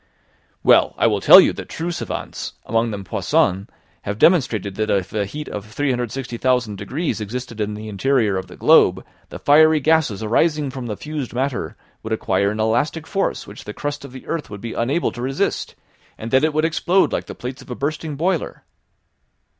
"Well, I will tell you that true savants, amongst them Poisson, have demonstrated that if a heat of 360,000 degrees existed in the interior of the globe, the fiery gases arising from the fused matter would acquire an elastic force which the crust of the earth would be unable to resist, and that it would explode like the plates of a bursting boiler."